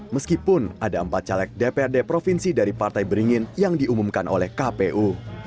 meskipun ada empat caleg dprd provinsi dari partai beringin yang diumumkan oleh kpu